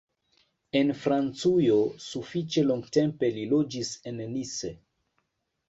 En Francujo sufiĉe longtempe li loĝis en Nice.